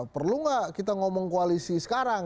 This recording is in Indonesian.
perlu nggak kita ngomong koalisi sekarang